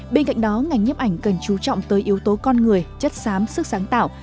bên cạnh đó ngành nhếp ảnh cần chú trọng tới yếu tố con người chất sám sức sáng tạo